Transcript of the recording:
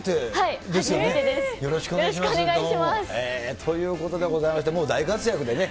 ということでございまして、大活躍でね。